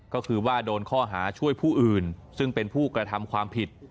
ก็คือว่าโดนข้อหาช่วยผู้อื่นซึ่งเป็นผู้กระทำความผิด